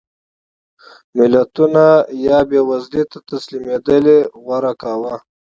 ملتونو یا بېوزلۍ ته تسلیمېدل غوره کاوه.